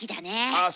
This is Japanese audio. ああ